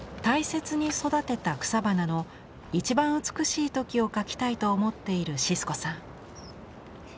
大切に育てた草花の一番美しい時を描きたいと思っているシスコさん。